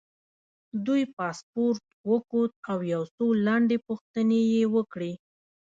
دوی پاسپورټ وکوت او یو څو لنډې پوښتنې یې وکړې.